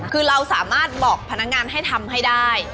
คือเราสามารถบอกพนักงานให้ทำให้ได้